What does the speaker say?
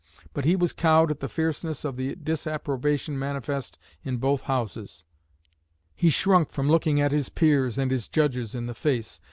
But he was cowed at the fierceness of the disapprobation manifest in both Houses. He shrunk from looking his peers and his judges in the face.